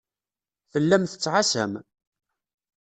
Tellam tettɛassam.